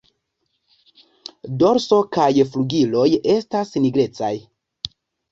Dorso kaj flugiloj estas nigrecaj.